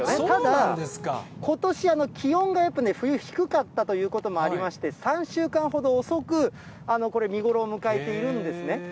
ただ、ことし、気温が冬、低かったということもありまして、３週間ほど遅く、これ、見頃を迎えているんですね。